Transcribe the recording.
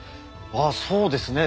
そうですね。